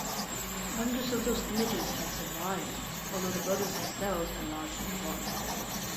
Hundreds of those images have survived, although the brothers themselves are largely forgotten.